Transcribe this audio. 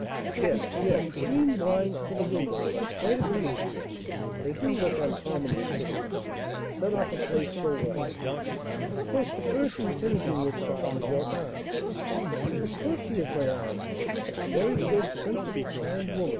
"Yes, yes, green blinds to the windows. I quite agree with you, they do look uncommonly pretty, and set off a place so well! Of course, the person tenanting this farm is your aunt." "Of course she is my aunt, and a very good, sensible, kind woman, M.